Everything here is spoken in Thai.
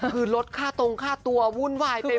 คือลดค่าตรงค่าตัววุ่นวายเต็ม